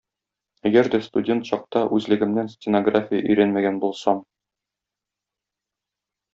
Әгәр дә студент чакта үзлегемнән стенография өйрәнмәгән булсам...